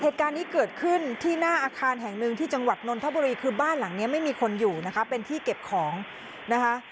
เหตุการณ์นี้เกิดขึ้นที่หน้าอาคารแห่งหนึ่งที่จังหวัดนนทบุรีคือบ้านหลังนี้ไม่มีคนอยู่นะคะเป็นที่เก็บของนะคะ